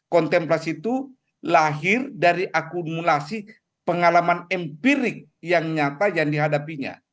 kontemplasi itu lahir dari akumulasi pengalaman empirik yang nyata yang dihadapinya